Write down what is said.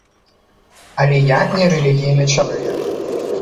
Але я не рэлігійны чалавек.